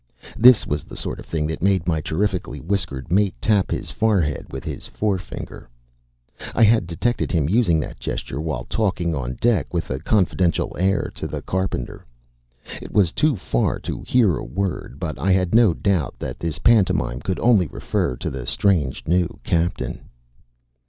This was the sort of thing that made my terrifically whiskered mate tap his forehead with his forefinger. I had detected him using that gesture while talking on deck with a confidential air to the carpenter. It was too far to hear a word, but I had no doubt that this pantomime could only refer to the strange new captain.